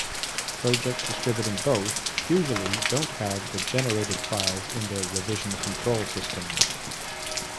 Projects distributing both usually don't have the generated files in their revision control systems.